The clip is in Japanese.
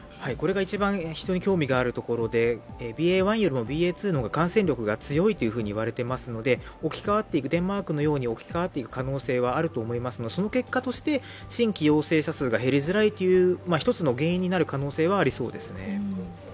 これが一番、非常に興味があるところでＢＡ．１よりＢＡ．２の方が感染力が強いと言われてますのでデンマークのように置き換わっていく可能性はあると思いますがその結果として新規陽性者数が減りづらいという１つの原因になる可能性はありそうです。